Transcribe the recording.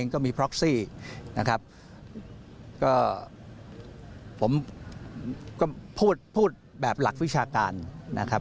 ก็พูดแบบหลักวิชาการนะครับ